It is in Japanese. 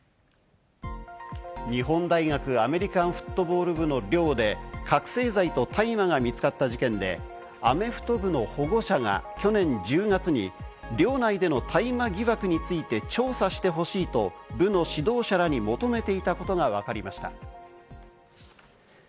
日本大学アメリカンフットボール部の寮で覚せい剤と大麻が見つかった事件で、アメフト部の保護者が去年１０月に寮内での大麻疑惑について調査してほしいと部の指導者らに求めていたことがわかりました。